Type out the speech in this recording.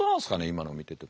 今の見てて。